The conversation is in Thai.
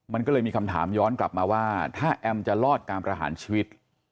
มันก็เลยมีคำถามย้อนกลับมาว่าถ้าแอมจะรอดการประหารชีวิต